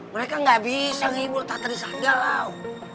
mereka gak bisa ngibul tata di sandal lau